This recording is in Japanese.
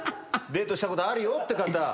デートしたことあるよって方。